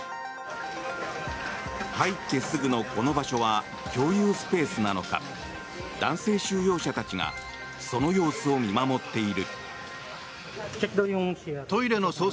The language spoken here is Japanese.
入ってすぐのこの場所は共有スペースなのか男性収容者たちがその様子を見守っている。